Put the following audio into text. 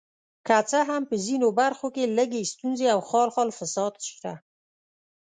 که څه هم په ځینو برخو کې لږې ستونزې او خال خال فساد شته.